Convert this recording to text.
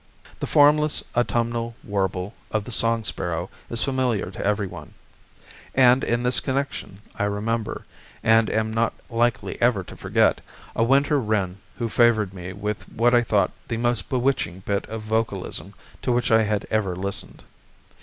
The formless autumnal warble of the song sparrow is familiar to every one. And in this connection I remember, and am not likely ever to forget, a winter wren who favored me with what I thought the most bewitching bit of vocalism to which I had ever listened.